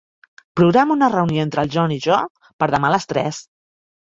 Programa una reunió entre el John i jo per demà a les tres.